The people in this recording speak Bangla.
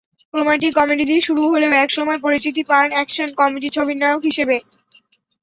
রোমান্টিক-কমেডি দিয়ে শুরু হলেও একসময় পরিচিতি পান অ্যাকশন-কমেডি ছবির নায়ক হিসেবে।